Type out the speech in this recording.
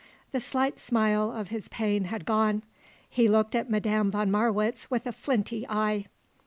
The slight smile of his pain had gone. He looked at Madame von Marwitz with a flinty eye.